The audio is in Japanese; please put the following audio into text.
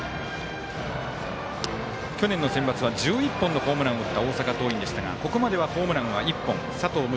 去年のセンバツは１１本のホームランを打った大阪桐蔭でしたがここまではホームランは１本佐藤夢